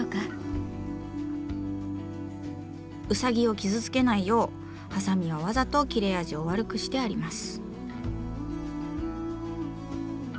ウサギを傷つけないようハサミはわざと切れ味を悪くしてあります。